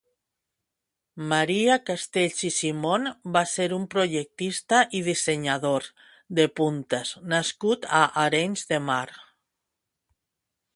Marià Castells i Simón va ser un projectista i dissenyador de puntes nascut a Arenys de Mar.